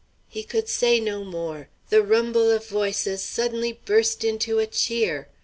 He could say no more; the rumble of voices suddenly burst into a cheer.